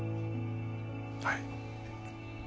はい。